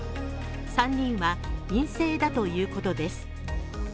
３人は陰性だということです。